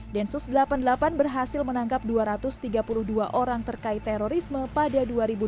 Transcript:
densus delapan puluh delapan berhasil menangkap dua ratus tiga puluh dua orang terkait terorisme pada dua ribu dua puluh